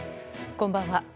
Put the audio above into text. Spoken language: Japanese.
こんばんは。